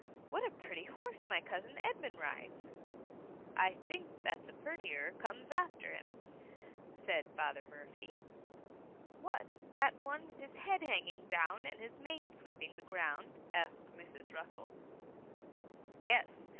what a pretty horse my cousin Edmund rides V^ ^* I think that ^s a purtier comes afther him," said Fathej: Murphy* ^^ What, that one with bis he^ hangii]^ down and his mane sweeping the ground?^ asked Mrs. Russel. " Yes.